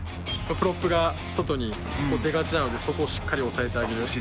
プロップが、外に出がちなのでそこをしっかり抑えてあげる。